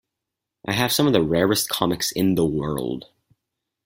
I have some of the rarest comics in the world.